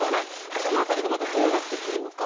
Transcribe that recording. このあたりがどうなってくるのか。